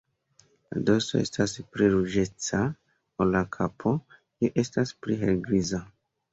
La dorso estas pli ruĝeca ol la kapo, kiu estas pli helgriza.